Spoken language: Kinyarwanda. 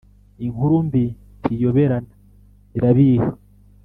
Inkuru mbi ntiyoberana irabiha